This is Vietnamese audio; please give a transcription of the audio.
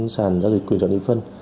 sàn giao dịch quyền trọng định phân